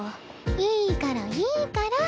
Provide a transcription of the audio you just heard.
いいからいいから。